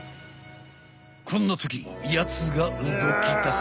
こんなときやつが動きだす。